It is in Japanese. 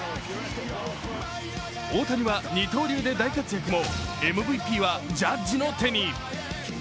大谷は二刀流で大活躍もＭＶＰはジャッジの手に。